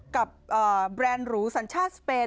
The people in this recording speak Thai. แบรนด์หรูสัญชาติสเปน